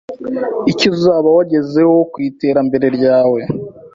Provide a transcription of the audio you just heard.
icyo uzaba wagezeho ku iterambere ryawe